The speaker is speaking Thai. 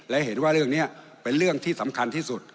และเห็นว่าเรื่องนี้เป็นเรื่องที่สำคัญที่สุด